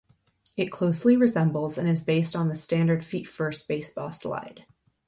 It closely resembles and is based on the standard feet-first baseball slide.